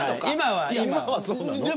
今は。